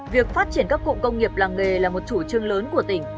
việc phát triển các cụm công nghiệp làng nghề là một chủ trương lớn của tỉnh